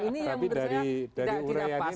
tapi dari urean ini